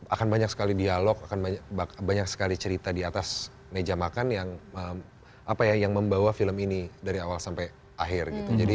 akan banyak sekali dialog akan banyak sekali cerita di atas meja makan yang membawa film ini dari awal sampai akhir gitu